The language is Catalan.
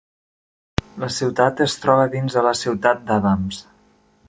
La ciutat es troba dins de la ciutat d'Adams.